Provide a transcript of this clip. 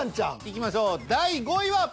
いきましょう第５位は。